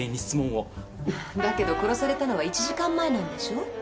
だけど殺されたのは１時間前なんでしょう？